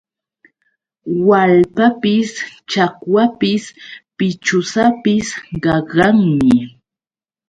Waalpapis, chakwapis, pichwsapis qaqanmi.